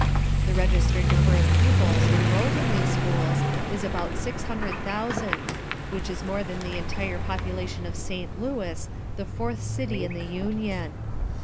The registered number of pupils enrolled in these schools is about 600,000, which is more than the entire population of St. Louis, the fourth city in the Union.